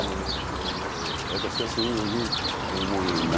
私はそのように思うようになるわけ。